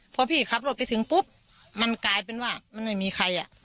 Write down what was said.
พอพี่ขับรถไปถึงปุ๊บมันกลายเป็นว่ามันไม่มีใครอ่ะ